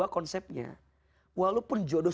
konsepnya walaupun jodoh